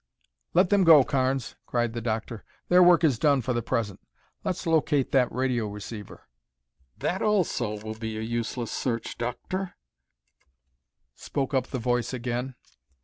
"Let them go, Carnes!" cried the doctor. "Their work is done for the present. Let's locate that radio receiver." "That also will be a useless search. Doctor," spoke up the Voice again.